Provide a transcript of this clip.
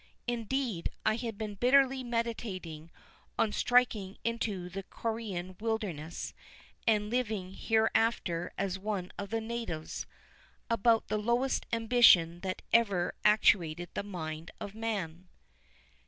Indeed, I had been bitterly meditating on striking into the Corean wilderness and living hereafter as one of the natives, about the lowest ambition that ever actuated the mind of man.